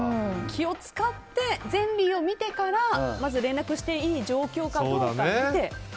気を使ってｚｅｎｌｙを見てからまず連絡していい状況かどうかを見て。